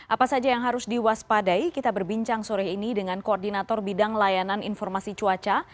apa saja yang harus diwaspadai kita berbincang sore ini dengan koordinator bidang layanan informasi cuaca